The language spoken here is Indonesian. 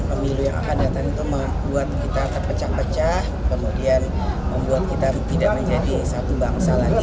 pemilu yang akan datang itu membuat kita terpecah pecah kemudian membuat kita tidak menjadi satu bangsa lagi